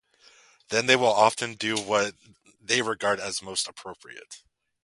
Then they will often do what they regard as most appropriate.